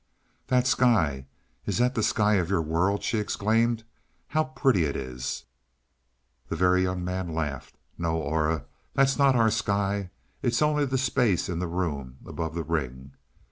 "That sky is that the sky of your world?" she exclaimed. "How pretty it is!" The Very Young Man laughed. "No, Aura, that's not our sky. It's only the space in the room above the ring.